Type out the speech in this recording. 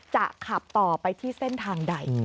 จะขับต่อไปที่เส้นทางใด